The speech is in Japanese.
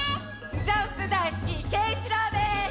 ジャンプだいすきけいいちろうです！